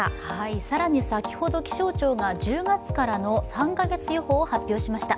更に先ほど気象庁が１０月からの３か月予報を発表しました。